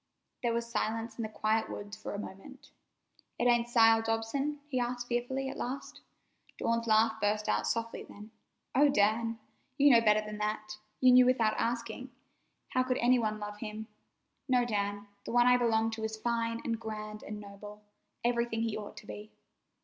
There was silence in the quiet woods for a moment. "It ain't Sile Dobson?" he asked fearfully at last. Dawn's laugh burst out softly then. "Oh, Dan! You know better than that. You knew without asking. How could any one love him? No, Dan; the one I belong to is fine and grand and noble—everything he ought to be."